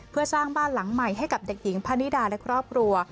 เพื่อสร้างบ้านหลังใหม่ให้กับเด็กหญิงพนิดาและครอบครัว